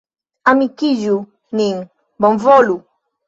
Amikiĝu nin, bonvolu!